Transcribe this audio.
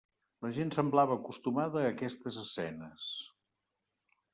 La gent semblava acostumada a aquestes escenes.